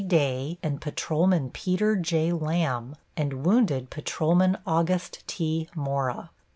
Day and Patrolman Peter J. Lamb, and wounded Patrolman August T. Mora.